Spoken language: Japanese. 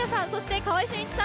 川合俊一さん